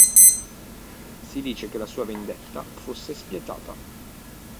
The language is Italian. Si dice che la sua vendetta fosse spietata.